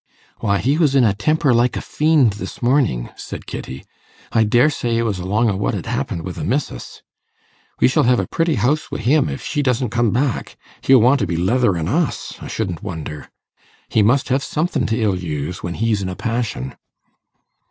'Why, he was in a temper like a fiend this morning,' said Kitty. 'I daresay it was along o' what had happened wi' the missis. We shall hev a pretty house wi' him if she doesn't come back he'll want to be leatherin' us, I shouldn't wonder. He must hev somethin' t' ill use when he's in a passion.